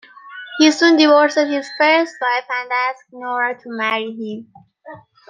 He soon divorced his first wife and asked Nora to marry him.